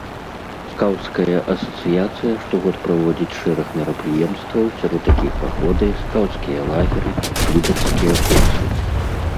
Скаўцкая асацыяцыя штогод праводзіць шэраг мерапрыемстваў, сярод якіх паходы, скаўцкія лагеры, лідэрскія курсы.